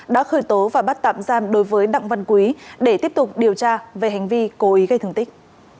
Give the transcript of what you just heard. đã khởi tố và bắt tạm giam đối với đặng văn quý để tiếp tục điều tra về hành vi cố ý gây thương tích